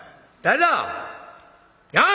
誰だ！」。